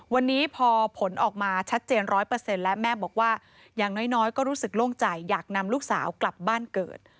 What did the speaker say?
วันนี้พอผลออกมาชัดเจน๑๐๐แล้วแม่บอกว่าอย่างน้อยก็รู้สึกโล่งใจอยากนำลูกสาวกลับบ้านเกิด